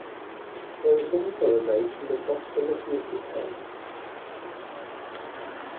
There is also a lake in the proximity of the cave.